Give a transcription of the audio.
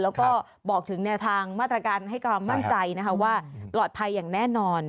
แล้วก็บอกถึงแนวทางมาตรการให้ความมั่นใจนะคะว่าปลอดภัยอย่างแน่นอน